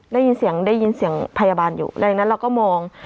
ได้ยินเสียงได้ยินเสียงพยาบาลอยู่ดังนั้นเราก็มอง